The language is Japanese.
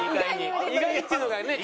「意外」っていうのがね